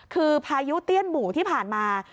คือพายุเตี้ยนหมู่ที่ผ่านมา